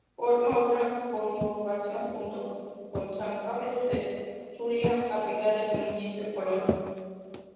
Forma una conurbación junto con San Carlos del Zulia capital del Municipio Colón.